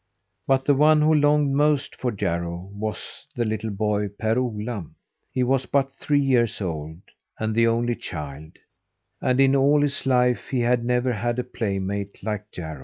But the one who longed most for Jarro, was the little boy, Per Ola. He was but three years old, and the only child; and in all his life he had never had a playmate like Jarro.